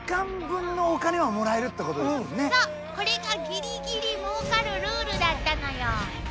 これがギリギリ儲かるルールだったのよ。